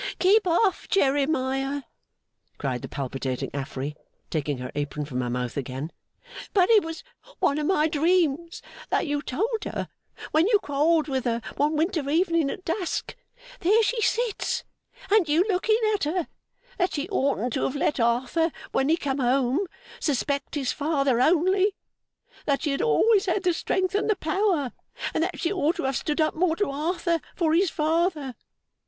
'Keep off, Jeremiah!' cried the palpitating Affery, taking her apron from her mouth again. 'But it was one of my dreams, that you told her, when you quarrelled with her one winter evening at dusk there she sits and you looking at her that she oughtn't to have let Arthur when he come home, suspect his father only; that she had always had the strength and the power; and that she ought to have stood up more to Arthur, for his father.